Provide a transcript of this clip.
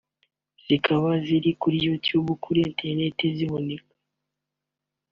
zikaba zinari kuri Youtube kuri internet ziboneka